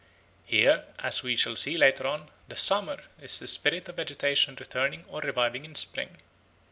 Here, as we shall see later on, the "Summer" is the spirit of vegetation returning or reviving in spring.